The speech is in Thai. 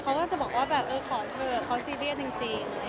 เขาก็จะบอกว่าแบบเออขอเธอเขาซีเรียสจริงอะไรอย่างนี้